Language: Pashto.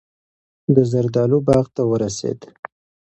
د زردالو باغ ته ورسېد.